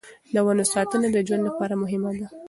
د ونو ساتنه د ژوند لپاره مهمه ده.